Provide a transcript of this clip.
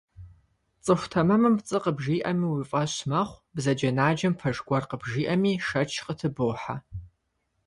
ЦӀыху тэмэмым пцӀы къыбжиӀэми уи фӀэщ мэхъу, бзаджэнаджэм пэж гуэр къыбжиӀэми, шэч къытыбохьэ.